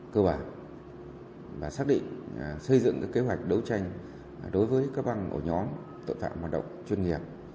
cơ bản và xác định xây dựng kế hoạch đấu tranh đối với các băng ổ nhóm tội phạm hoạt động chuyên nghiệp